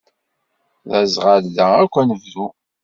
D aẓɣal da akk anebdu.